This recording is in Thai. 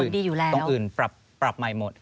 ตรงอื่นปรับใหม่หมด